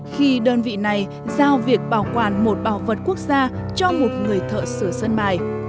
khi đơn vị này giao việc bảo quản một bảo vật quốc gia cho một người thợ sửa sân bài